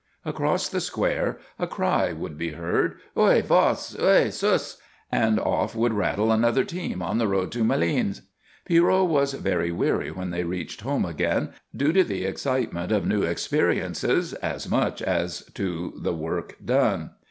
Across the square a cry would be heard, "Eui, Vos! Eui, Sus!" And off would rattle another team on the road to Malines. Pierrot was very weary when they reached home again, due to the excitement of new experiences as much as to the work done.